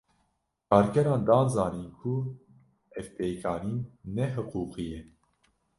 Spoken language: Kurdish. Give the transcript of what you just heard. Kerkeran, dan zanîn ku ev pêkanîn ne hiqûqî ye